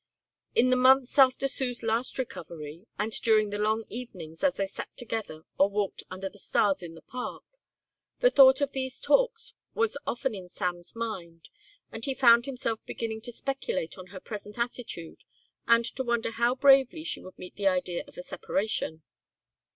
In the months after Sue's last recovery, and during the long evenings, as they sat together or walked under the stars in the park, the thought of these talks was often in Sam's mind and he found himself beginning to speculate on her present attitude and to wonder how bravely she would meet the idea of a separation.